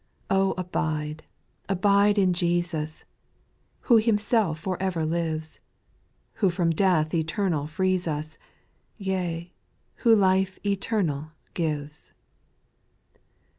abide, abide in Jesus, Who Himself for ever lives. Who from death eternal frees us, Yea, who life eternal gives.